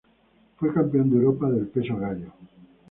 Fue campeón de Europa del peso gallo.